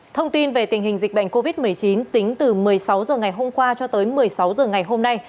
thông tin về tình hình dịch bệnh covid một mươi chín tính từ một mươi sáu h ngày hôm qua cho tới một mươi sáu h ngày hôm nay